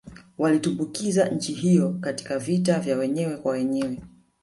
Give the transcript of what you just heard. Waliitumbukiza nchi hiyo katika vita vya wenyewe kwa wenyewe